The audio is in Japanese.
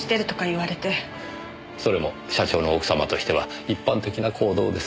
それも社長の奥様としては一般的な行動です。